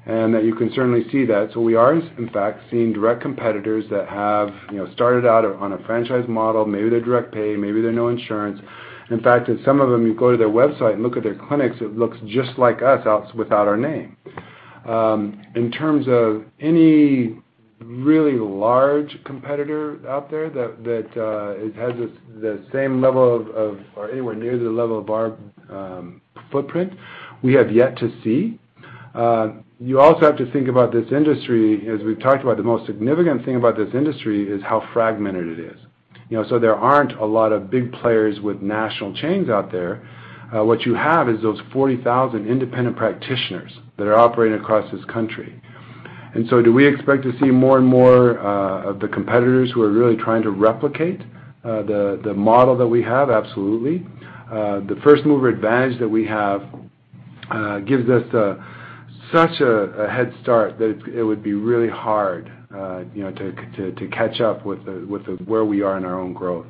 and that you can certainly see that. We are, in fact, seeing direct competitors that have started out on a franchise model. Maybe they're direct pay, maybe they're no insurance. In fact, in some of them, you go to their website and look at their clinics, it looks just like us without our name. In terms of any really large competitor out there that has the same level of, or anywhere near the level of our footprint, we have yet to see. You also have to think about this industry, as we've talked about, the most significant thing about this industry is how fragmented it is. There aren't a lot of big players with national chains out there. What you have is those 40,000 independent practitioners that are operating across this country. Do we expect to see more and more of the competitors who are really trying to replicate the model that we have? Absolutely. The first-mover advantage that we have gives us such a head start that it would be really hard to catch up with where we are in our own growth.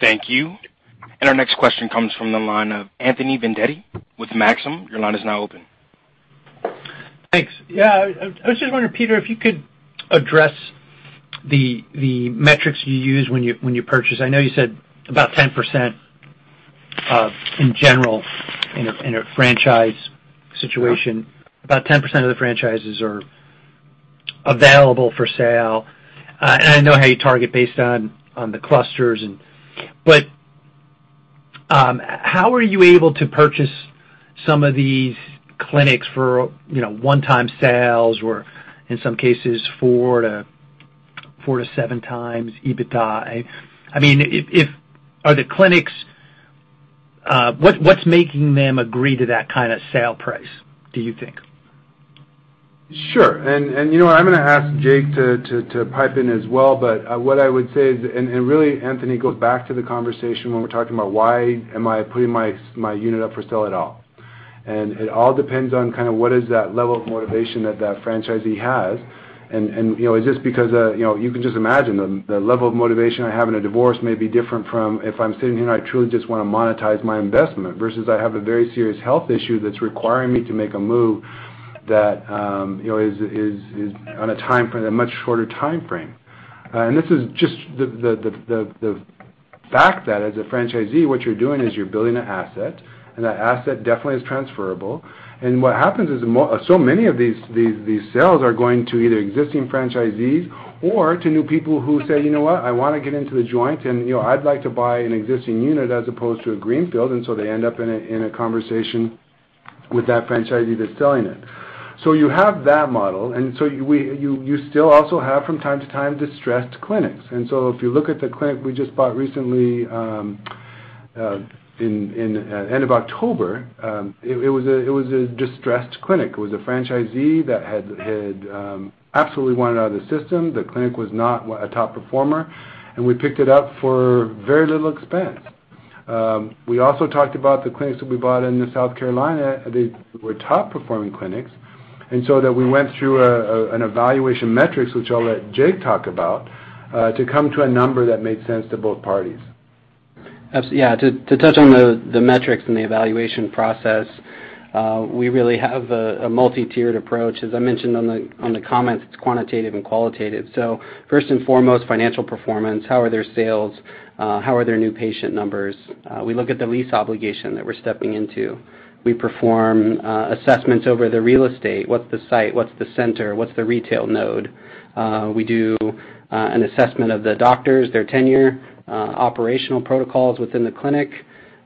Thank you. Our next question comes from the line of Anthony Vendetti with Maxim. Your line is now open. Thanks. Yeah, I was just wondering, Peter, if you could address the metrics you use when you purchase. I know you said about 10% in general in a franchise situation. About 10% of the franchises are available for sale. I know how you target based on the clusters. How are you able to purchase some of these clinics for one-time sales or in some cases four to seven times EBITDA? Are the clinics, what's making them agree to that kind of sale price, do you think? Sure. I'm going to ask Jake to pipe in as well. What I would say is, and really, Anthony, it goes back to the conversation when we're talking about why am I putting my unit up for sale at all. It all depends on kind of what is that level of motivation that that franchisee has. Just because you can just imagine the level of motivation I have in a divorce may be different from if I'm sitting here and I truly just want to monetize my investment versus I have a very serious health issue that's requiring me to make a move that is on a much shorter timeframe. This is just the fact that as a franchisee, what you're doing is you're building an asset, and that asset definitely is transferable. What happens is so many of these sales are going to either existing franchisees or to new people who say, "You know what? I want to get into The Joint, and I'd like to buy an existing unit as opposed to a greenfield." They end up in a conversation with that franchisee that's selling it. You have that model, you still also have from time to time distressed clinics. If you look at the clinic we just bought recently in end of October, it was a distressed clinic. It was a franchisee that had absolutely wanted out of the system. The clinic was not a top performer, and we picked it up for very little expense. We also talked about the clinics that we bought in the South Carolina. They were top-performing clinics. That we went through an evaluation metrics, which I'll let Jake talk about, to come to a number that made sense to both parties. To touch on the metrics and the evaluation process, we really have a multi-tiered approach. As I mentioned on the comments, it's quantitative and qualitative. First and foremost, financial performance. How are their sales? How are their new patient numbers? We look at the lease obligation that we're stepping into. We perform assessments over the real estate. What's the site? What's the center? What's the retail node? We do an assessment of the doctors, their tenure, operational protocols within the clinic.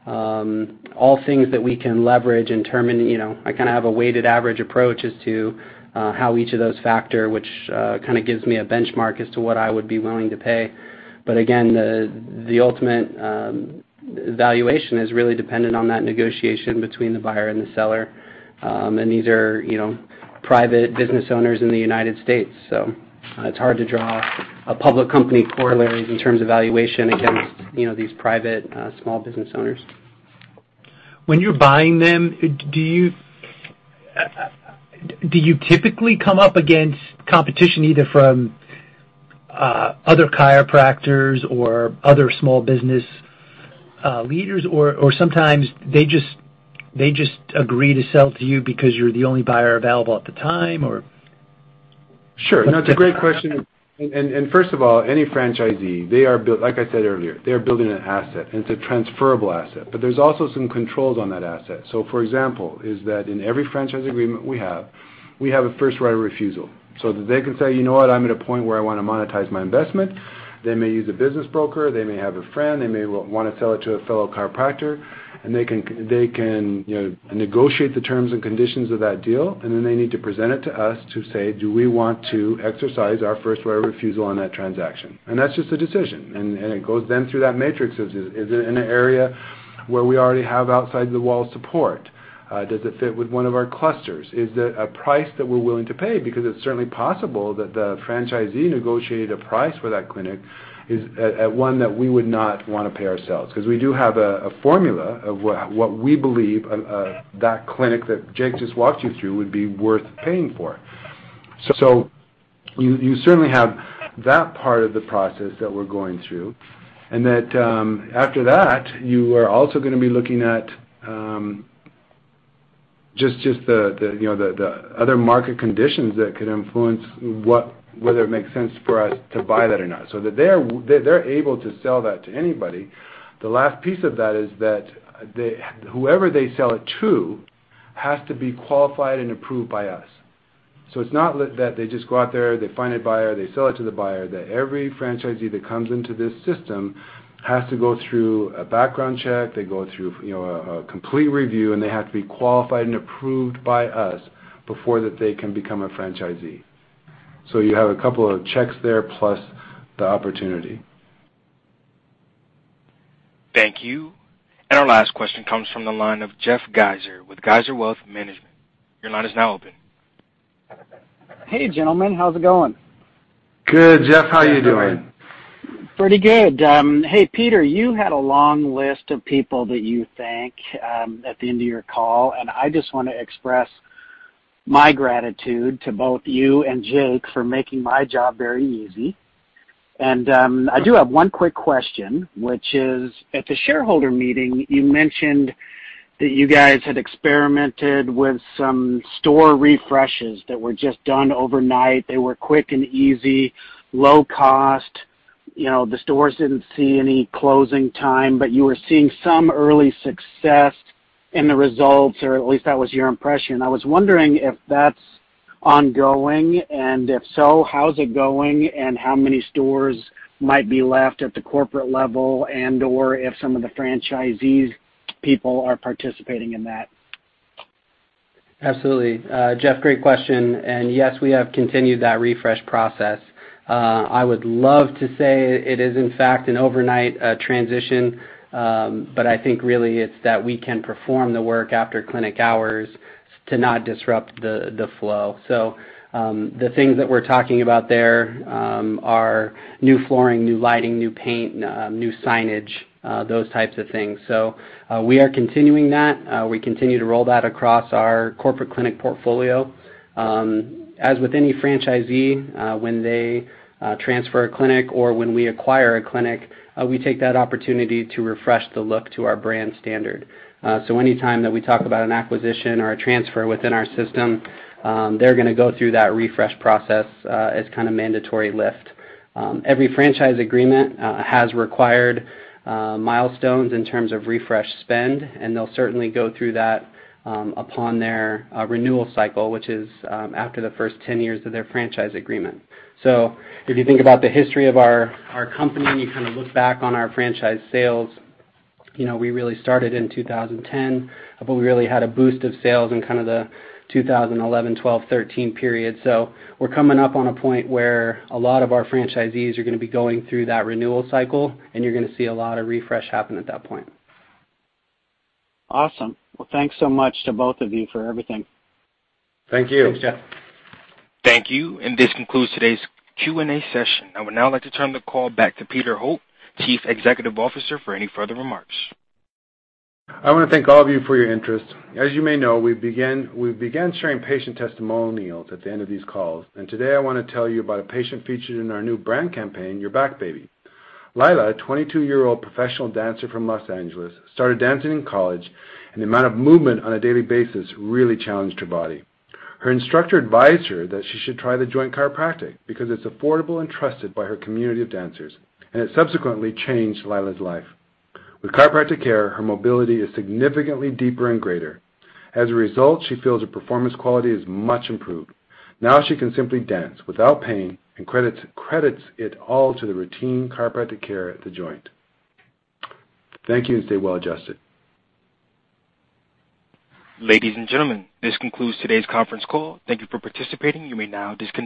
All things that we can leverage and determine. I kind of have a weighted average approach as to how each of those factor, which kind of gives me a benchmark as to what I would be willing to pay. Again, the ultimate valuation is really dependent on that negotiation between the buyer and the seller. These are private business owners in the United States, so it's hard to draw a public company corollary in terms of valuation against these private small business owners. When you're buying them, do you typically come up against competition either from other chiropractors or other small business leaders? Sometimes they just agree to sell to you because you're the only buyer available at the time, or? Sure. No, it's a great question. First of all, any franchisee, like I said earlier, they're building an asset, and it's a transferable asset. There's also some controls on that asset. For example, is that in every franchise agreement we have, we have a first right of refusal. That they can say, "You know what? I'm at a point where I want to monetize my investment." They may use a business broker, they may have a friend, they may want to sell it to a fellow chiropractor, and they can negotiate the terms and conditions of that deal. Then they need to present it to us to say, do we want to exercise our first right of refusal on that transaction? That's just a decision. It goes then through that matrix of, is it in an area where we already have outside-the-wall support? Does it fit with one of our clusters? Is it a price that we're willing to pay? It's certainly possible that the franchisee negotiated a price for that clinic at one that we would not want to pay ourselves. We do have a formula of what we believe that clinic that Jake just walked you through would be worth paying for. You certainly have that part of the process that we're going through. That after that, you are also going to be looking at just the other market conditions that could influence whether it makes sense for us to buy that or not. They're able to sell that to anybody. The last piece of that is that whoever they sell it to has to be qualified and approved by us. It's not that they just go out there, they find a buyer, they sell it to the buyer, that every franchisee that comes into this system has to go through a background check. They go through a complete review, and they have to be qualified and approved by us before they can become a franchisee. You have a couple of checks there, plus the opportunity. Thank you. Our last question comes from the line of Jeff Geiser with Geiser Wealth Management. Your line is now open. Hey, gentlemen. How's it going? Good, Jeff. How are you doing? Pretty good. Hey, Peter, you had a long list of people that you thank at the end of your call, and I just want to express my gratitude to both you and Jake for making my job very easy. I do have one quick question, which is, at the shareholder meeting, you mentioned that you guys had experimented with some store refreshes that were just done overnight. They were quick and easy, low cost. The stores didn't see any closing time, but you were seeing some early success in the results, or at least that was your impression. I was wondering if that's ongoing, and if so, how's it going, and how many stores might be left at the corporate level, and/or if some of the franchisees people are participating in that. Absolutely. Jeff, great question. Yes, we have continued that refresh process. I would love to say it is in fact an overnight transition. I think really it's that we can perform the work after clinic hours to not disrupt the flow. The things that we're talking about there are new flooring, new lighting, new paint, new signage, those types of things. We are continuing that. We continue to roll that across our corporate clinic portfolio. As with any franchisee, when they transfer a clinic or when we acquire a clinic, we take that opportunity to refresh the look to our brand standard. Any time that we talk about an acquisition or a transfer within our system, they're going to go through that refresh process as kind of mandatory lift. Every franchise agreement has required milestones in terms of refresh spend, and they'll certainly go through that upon their renewal cycle, which is after the first 10 years of their franchise agreement. If you think about the history of our company, you kind of look back on our franchise sales. We really started in 2010, but we really had a boost of sales in kind of the 2011, 2012, 2013 period. We're coming up on a point where a lot of our franchisees are going to be going through that renewal cycle, and you're going to see a lot of refresh happen at that point. Awesome. Well, thanks so much to both of you for everything. Thank you. Thanks, Jeff. Thank you. This concludes today's Q&A session. I would now like to turn the call back to Peter Holt, Chief Executive Officer, for any further remarks. I want to thank all of you for your interest. As you may know, we've began sharing patient testimonials at the end of these calls, and today I want to tell you about a patient featured in our new brand campaign, You're Back, Baby. Lila, a 22-year-old professional dancer from Los Angeles, started dancing in college, and the amount of movement on a daily basis really challenged her body. Her instructor advised her that she should try The Joint Chiropractic because it's affordable and trusted by her community of dancers, and it subsequently changed Lila's life. With chiropractic care, her mobility is significantly deeper and greater. As a result, she feels her performance quality is much improved. Now she can simply dance without pain and credits it all to the routine chiropractic care at The Joint. Thank you, and stay well adjusted. Ladies and gentlemen, this concludes today's conference call. Thank you for participating. You may now disconnect.